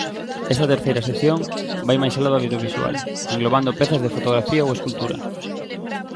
Esta terceira sección vai máis alá do audiovisual, englobando pezas de fotografía ou escultura.